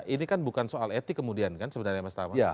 ini kan bukan soal etik kemudian kan sebenarnya mas tama